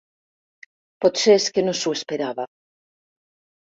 Potser és que no s'ho esperava.